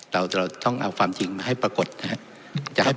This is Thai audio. เราจะต้องเอาความจริงมาให้ปรากฏนะครับ